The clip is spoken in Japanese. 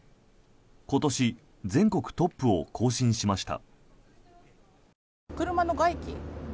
今年全国トップを更新しました。